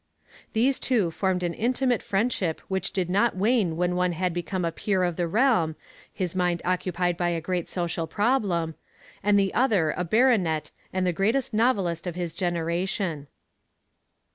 These two formed an intimate friendship which did not wane when one had become a peer of the realm, his mind occupied by a great social problem, and the other a baronet and the greatest novelist of his generation.